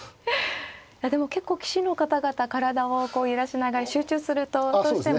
でも結構棋士の方々体をこう揺らしながら集中するとどうしても。